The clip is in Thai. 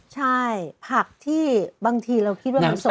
ใช่ผักที่บางทีเราคิดว่ามันสด